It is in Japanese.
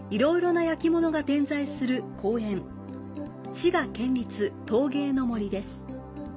滋賀県立陶芸の森です。